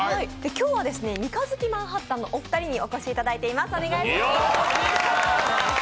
今日は三日月マンハッタンのお二人にお越しいただいています。